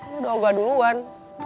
lo udah ogah duluan